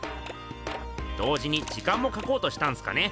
同時に時間もかこうとしたんすかね。